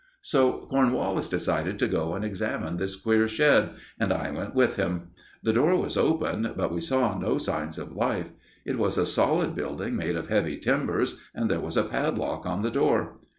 So Cornwallis decided to go and examine this queer shed, and I went with him. The door was open, but we saw no signs of life. It was a solid building made of heavy timbers, and there was a padlock on the door.